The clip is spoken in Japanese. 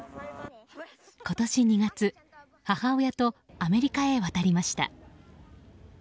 今年２月、母親とアメリカへ渡りました。